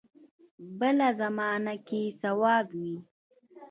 بل زمانه کې صواب وي.